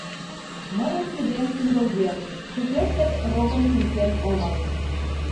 Мыйын кидем тӱҥгылген, шукертсек рокым кӱнчен омыл.